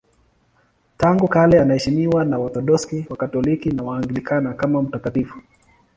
Tangu kale anaheshimiwa na Waorthodoksi, Wakatoliki na Waanglikana kama mtakatifu.